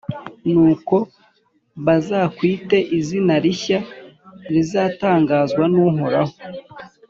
nuko bazakwite izina rishya, rizatangazwa n’uhoraho.